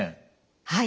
はい。